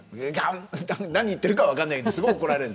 何言ってるか分かんないけどすごい怒られる。